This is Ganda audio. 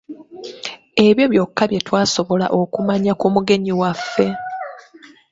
Ebyo byokka bye twasobola okumanya ku mugenyi waffe.